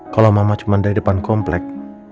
kalau mama cuma dari depan komplek